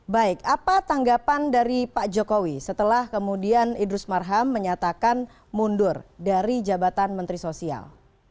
baik apa tanggapan dari pak jokowi setelah kemudian idrus marham menyatakan mundur dari jabatan menteri sosial